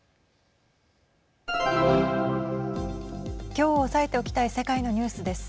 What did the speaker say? きょう押さえておきたい世界のニュースです。